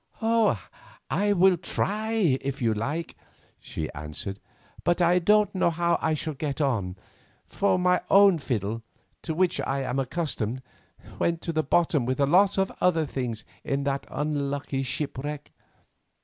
"I will try if you like," she answered, "but I don't know how I shall get on, for my own old fiddle, to which I am accustomed, went to the bottom with a lot of other things in that unlucky shipwreck.